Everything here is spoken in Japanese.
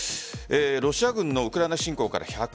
ロシア軍のウクライナ侵攻から１００日。